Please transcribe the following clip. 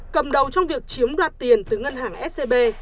cầm đầu trong việc chiếm đoạt tiền từ ngân hàng scb